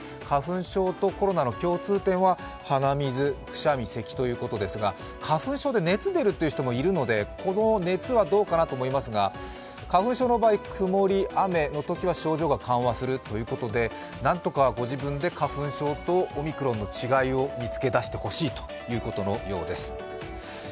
花粉症とコロナの共通点は鼻水、くしゃみ、せきということですが花粉症で熱が出るという人もいるのでこの熱はどうかなと思いますが、花粉症の場合、曇り、雨のときは症状が緩和するということで、何とかご自分で花粉症とオミクロンの違いを見つけ出してほしいということのようです。